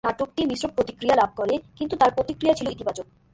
নাটকটি মিশ্র প্রতিক্রিয়া লাভ করে, কিন্তু তার প্রতিক্রিয়া ছিল ইতিবাচক।